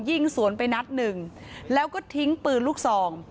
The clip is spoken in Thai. ยิงสวนไปนัดหนึ่งแล้วก็ทิ้งปืนลูกซอง